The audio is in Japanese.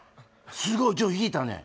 すごい引いたね